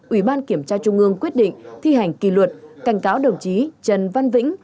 ủy ban kiểm tra trung ương quyết định thi hành kỳ luật cảnh cáo đồng chí trần văn vĩnh